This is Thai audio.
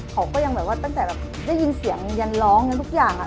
เขาก็ยังแบบว่าตั้งแต่แบบได้ยินเสียงยันร้องยันทุกอย่าง